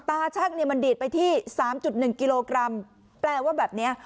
ช่างเนี่ยมันดีดไปที่สามจุดหนึ่งกิโลกรัมแปลว่าแบบเนี้ย